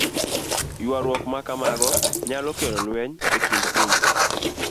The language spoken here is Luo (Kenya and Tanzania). Ywaruok ma kamago nyalo kelo lweny e kind pinje.